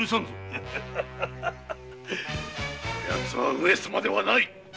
こやつは上様ではない！